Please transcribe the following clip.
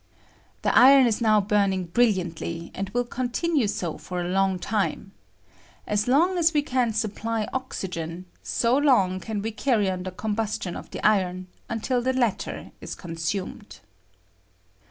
The iron is now burn ing brilliantly, and will continue so for a long time. As long as we supply oxygen, so long can we carry on the combustion of the iron, until the latter is consumed.